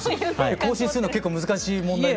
更新するの結構難しい問題。